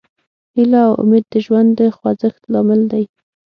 هیله او امید د ژوند د خوځښت لامل دی.